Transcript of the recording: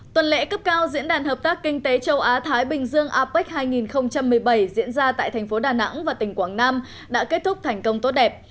tuần lễ cấp cao diễn đàn hợp tác kinh tế châu á thái bình dương apec hai nghìn một mươi bảy diễn ra tại thành phố đà nẵng và tỉnh quảng nam đã kết thúc thành công tốt đẹp